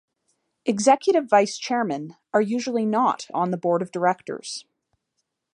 Executive vice chairmen are usually "not" on the board of directors.